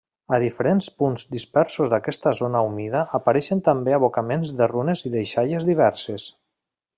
A diferents punts dispersos d'aquesta zona humida apareixen també abocaments de runes i deixalles diverses.